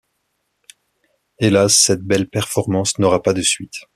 Hélas, cette belle performance n'aura pas de suite.